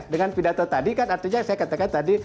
dengan pidato tadi kan artinya saya katakan tadi